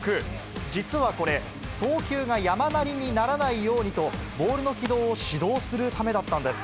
実はこれ、送球が山なりにならないようにと、ボールの軌道を指導するためだったんです。